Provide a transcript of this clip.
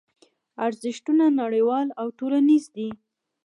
ارزښتونه نړیوال او ټولنیز دي.